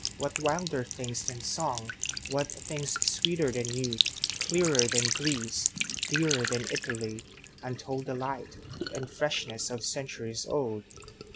What wilder things than song, what thingsSweeter than youth, clearer than Greece, Dearer than Italy, untoldDelight, and freshness centuries old?